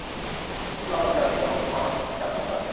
দুটি মামলা বিচারাধীন এবং একটি মামলা থেকে তিনি জামিনে মুক্ত আছেন।